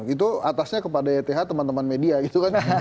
itu atasnya kepada yth teman teman media gitu kan